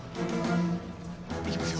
いきますよ。